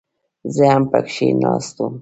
زه هم پکښې ناست وم.